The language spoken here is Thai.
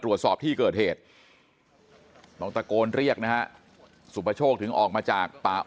ตรวจสอบที่เกิดเหตุต้องตะโกนเรียกนะฮะสุปโชคถึงออกมาจากป่า